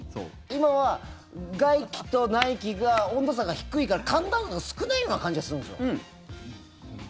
今は外気と内気が温度差が低いから寒暖差が少ないような感じがするんですよ。